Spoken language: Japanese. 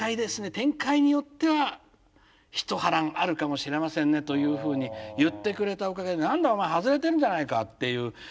展開によっては一波乱あるかもしれませんね」というふうに言ってくれたおかげで「何だお前外れてるんじゃないか！」っていう